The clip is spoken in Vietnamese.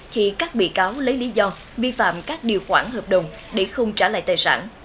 thì các bị cáo lấy lý do vi phạm các điều khoản hợp đồng để không trả lại tài sản